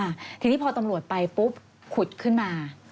ทีนี้พอตำรวจไปปุ๊บขุดขึ้นมา